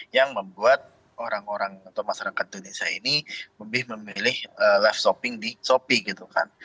yang membuat orang orang atau masyarakat indonesia ini lebih memilih live shopping di shopee gitu kan